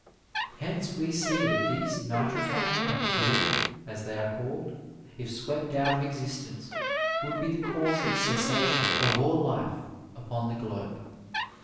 Hence we see that these nitrifying bacteria, as they are called, if swept out of existence, would be the cause of cessation of all life upon the globe.